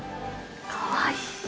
かわいい。